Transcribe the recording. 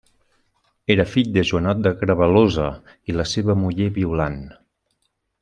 Era fill de Joanot de Grevalosa i la seva muller Violant.